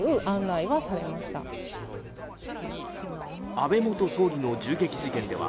安倍元総理の銃撃事件では